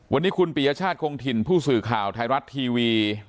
วันนี้คุณปียชาติคงถิ่นผู้สื่อข่าวไทยรัฐทีวี